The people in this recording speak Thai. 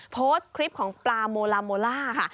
โพสต์คลิปของปลาโมลาโมล่าค่ะ